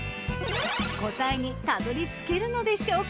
答えにたどりつけるのでしょうか？